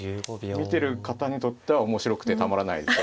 見てる方にとっては面白くてたまらないですね